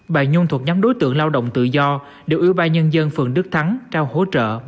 bà nhung thuộc nhóm đối tượng lao động tự do đều ưu ba nhân dân phường đức thắng trao hỗ trợ một năm triệu đồng